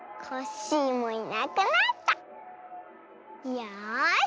よし。